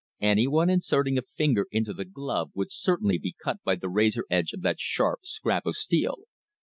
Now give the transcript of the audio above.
Anyone inserting a finger into the glove would certainly be cut by the razor edge of that sharp scrap of steel.